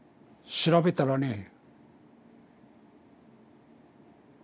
調べたらねはぁ！